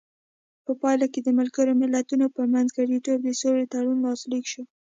په پایله کې د ملګرو ملتونو په منځګړیتوب د سولې تړون لاسلیک شو.